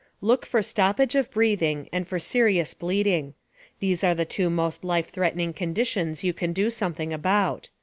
Look for stoppage of breathing, and for serious bleeding. These are the two most life threatening conditions you can do something about.